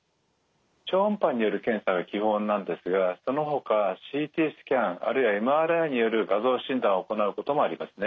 超音波による検査が基本なんですがそのほかＣＴスキャンあるいはＭＲＩによる画像診断を行うこともありますね。